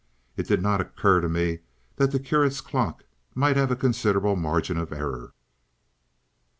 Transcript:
It did not occur to me that the curate's clock might have a considerable margin of error.